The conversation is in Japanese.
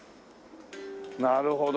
なるほど。